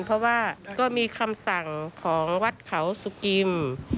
เพราะว่าก็มีคำสั่งของวัดเขาสุกิม